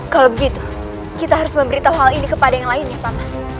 kalau begitu kita harus memberitahu hal ini kepada yang lainnya paman